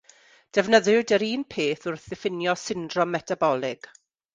Defnyddiwyd yr un peth wrth ddiffinio syndrom metabolig.